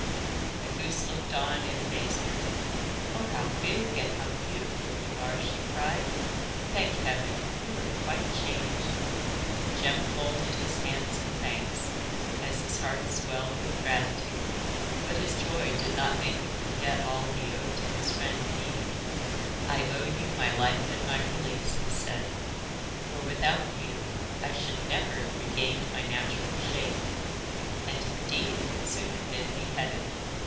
The goose looked on in amazement. 'Oh, how big and how beautiful you are!' she cried. 'Thank heaven, you are quite changed.' Jem folded his hands in thanks, as his heart swelled with gratitude. But his joy did not make him forget all he owed to his friend Mimi. 'I owe you my life and my release,' he said, 'for without you I should never have regained my natural shape, and, indeed, would soon have been beheaded.